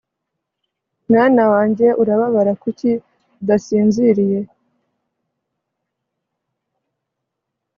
Mwana wanjye urababara Kuki udasinziriye